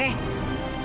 eh ada apa